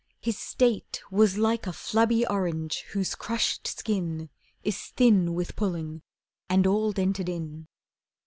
His state Was like a flabby orange whose crushed skin Is thin with pulling, and all dented in.